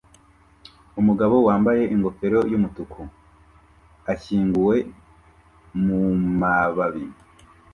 Umugabo wambaye ingofero yumutuku ashyinguwe mumababi